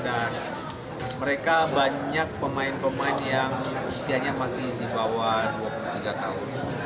dan mereka banyak pemain pemain yang usianya masih di bawah dua puluh tiga tahun